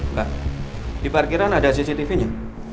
enggak di parkiran ada cctv nya